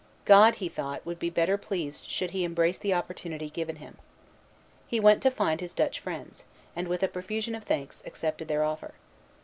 God, he thought, would be better pleased should he embrace the opportunity given him. He went to find his Dutch friends, and, with a profusion of thanks, accepted their offer.